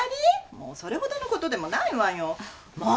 もうそれほどのことでもないわよもうっ！